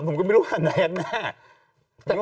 ผมก็ไม่รู้ว่าแน่นแน่